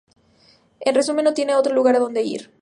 En resumen, no tienen otro lugar a dónde ir.